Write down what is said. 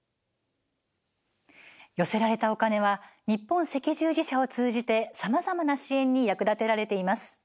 寄せられたお金は日本赤十字社を通じてさまざまな支援に役立てられています。